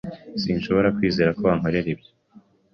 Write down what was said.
Sinshobora kwizera ko wankorera ibyo